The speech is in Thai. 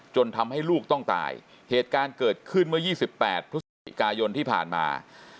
ทำให้ลูกต้องตายเหตุการณ์เกิดขึ้นเมื่อ๒๘พฤศจิกายนที่ผ่านมา